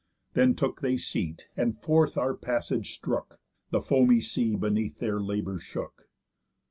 Then took they seat, and forth our passage strook, The foamy sea beneath their labour shook.